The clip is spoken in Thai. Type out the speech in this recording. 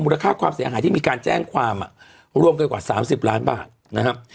มูลค่าความเสียหายที่มีการแจ้งความอ่ะร่วมกันกว่าสามสิบล้านบาทนะฮะ